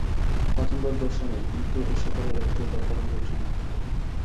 পাতঞ্জল-দর্শনে কিন্তু এ-সকলের একটিও তার কারণ বলে সমর্থিত হয়নি।